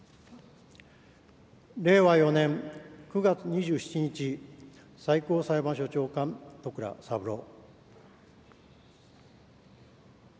令和４年９月２７日、最高裁判所長官、戸倉三郎。